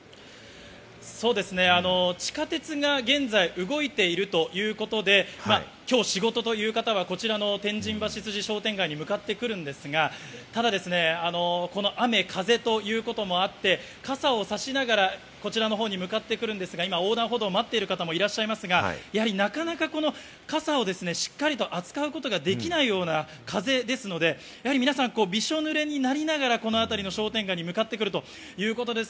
地下鉄が現在、動いているということで、きょう仕事という方はこちらの天神橋筋商店街に向かってくるんですが、ただこの雨、風ということもあって、傘をさしながら、こちらの方に向かってくるんですが今、横断歩道を待っている方もいらっしゃいますが、なかなか傘をしっかりと扱うことができないような風ですので、皆さんびしょ濡れになりながら、このあたりの商店街に向かってくるということです。